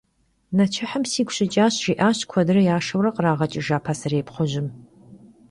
«Neçıhım sigu şıç'aş», - jji'aşş kuedre yaşşeure khrageç'ıjja paserêy pxhujım.